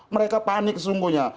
mereka panik sesungguhnya